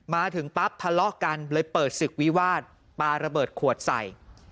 มาถึงปั๊บทะเลาะกันเลยเปิดศึกวิวาสปลาระเบิดขวดใส่